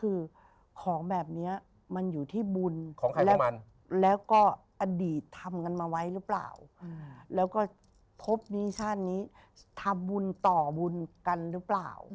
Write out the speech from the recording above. คือของแบบนี้มันอยู่ที่บุญของมันแล้วก็อดีตทำกันมาไว้หรือเปล่าแล้วก็ทบนี้ชาตินี้ทำบุญต่อบุญกันหรือเปล่า